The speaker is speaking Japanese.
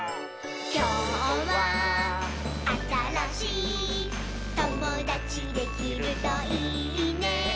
「きょうはあたらしいともだちできるといいね」